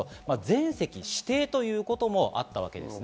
それは全席指定ということもあったわけです。